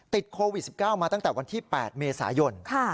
ติดโควิด๑๙มาตั้งแต่วันที่๘เมษายน